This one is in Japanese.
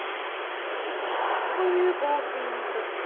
私こういう冒険はちょっと。